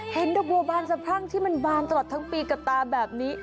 ดอกบัวบานสะพรั่งที่มันบานตลอดทั้งปีกับตาแบบนี้